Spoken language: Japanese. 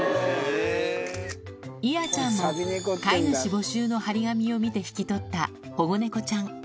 いあちゃんも飼い主募集の貼り紙を見て引き取った保護猫ちゃん。